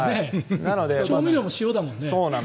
調味料も塩だもんね。